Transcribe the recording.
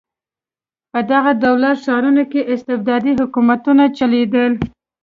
په دغو دولت ښارونو کې استبدادي حکومتونه چلېدل.